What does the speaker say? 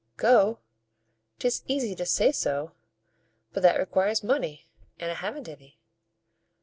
"Go! 'tis easy to say so, but that requires money, and I haven't any."